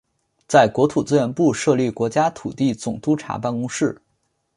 在国土资源部设立国家土地总督察办公室。